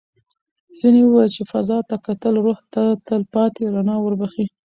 ځینې وویل چې فضا ته کتل روح ته تل پاتې رڼا وربښي.